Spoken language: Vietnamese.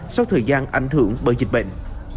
sau thời gian ảnh hưởng bởi dịch bệnh